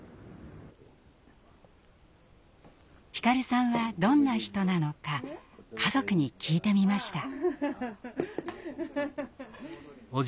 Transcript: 皓さんはどんな人なのか家族に聞いてみました。